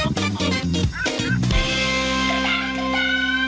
เพิ่มเวลา